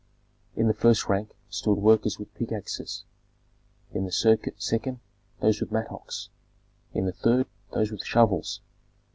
In the first rank stood workers with pickaxes, in the second those with mattocks, in the third those with shovels.